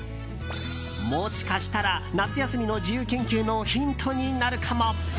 もしかしたら夏休みの自由研究のヒントになるかも？